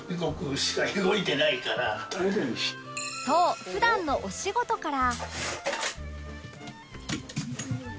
そう普段のお仕事から